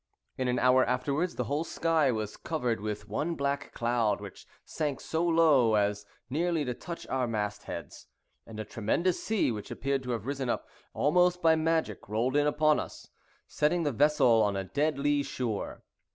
In an hour afterwards, the whole sky was covered with one black cloud, which sank so low as nearly to touch our mast heads, and a tremendous sea, which appeared to have risen up almost by magic, rolled in upon us, setting the vessel on a dead lee shore.